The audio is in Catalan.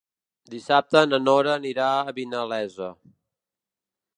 Dissabte na Nora anirà a Vinalesa.